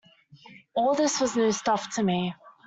All this was new stuff to me.